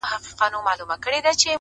خدایه زموږ ژوند په نوي کال کي کړې بدل،